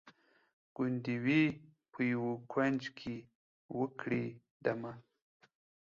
ګوندي وي په یوه کونج کي وکړي دمه